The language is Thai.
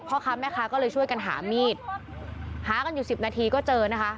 พ่อค้าแม่ค้าก็เลยช่วยกันหามีดหากันอยู่สิบนาทีก็เจอนะคะ